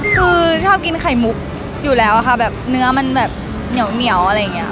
คือชอบกินไข่มุกอยู่แล้วอะค่ะแบบเนื้อมันแบบเหนียวอะไรอย่างนี้ค่ะ